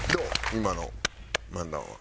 今の漫談は。